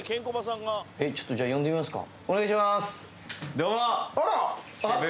ちょっとじゃあ呼んでみますか。